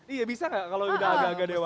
iya bisa gak kalau udah agak agak dewasa